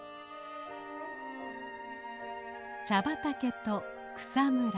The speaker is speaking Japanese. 茶畑と草むら。